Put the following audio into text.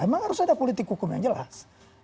emang harus ada politik hukum yang jelas